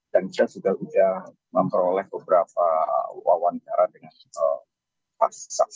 dan kita sudah memperoleh beberapa wawancara dengan pasang